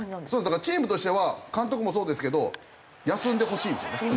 だからチームとしては監督もそうですけど休んでほしいんですよね。